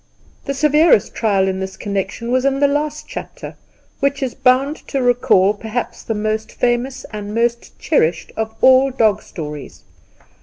The severest trial in this connection was in the last chapter, which is bound to recall perhaps the most famous and most cherished of all dog stories.